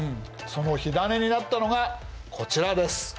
その火種になったのがこちらです。